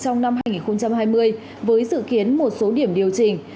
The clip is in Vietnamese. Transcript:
trong năm hai nghìn hai mươi với sự khiến một số điểm điều chỉnh